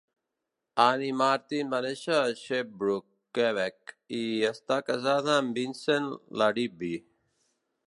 Annie Martin va néixer a Sherbrooke, Quebec, i està casada amb Vincent Larivee.